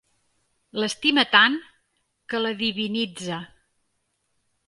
L'estima tant, que la divinitza!